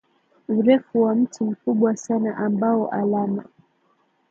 urefu wa mti mkubwa sana ambao alama